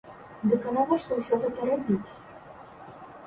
Дык а навошта ўсё гэта рабіць?!